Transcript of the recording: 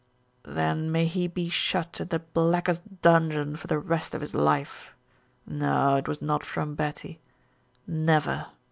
"Then may he be shut in the blackest dungeon for the rest of his life. No, it was not from Betty. Never.